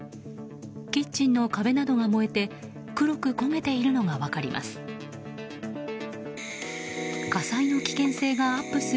キッチンの壁などが燃えて黒く焦げているのが分かります。